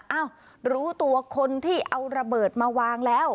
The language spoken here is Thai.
เอ้ารู้ตัวคนที่เอาระเบิดมาวางแล้ว